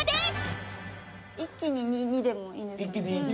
一気に２でもいい。